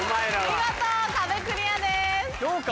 見事壁クリアです！